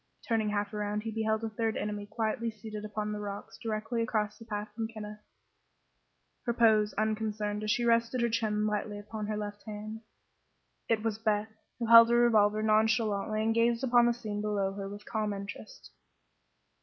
Turning half around he beheld a third enemy quietly seated upon the rocks directly across the path from Kenneth, her pose unconcerned as she rested her chin lightly upon her left hand. It was Beth, who held her revolver nonchalantly and gazed upon the scene below her with calm interest.